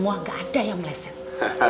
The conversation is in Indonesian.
bangat sih ceritanya